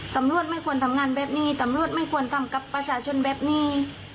ตำรวจไม่ควรทำงานแบบนี้ตำรวจไม่ควรทำกับประชาชนแบบนี้